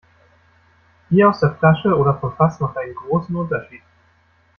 Bier aus der Flasche oder vom Fass macht einen großen Unterschied.